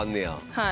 はい。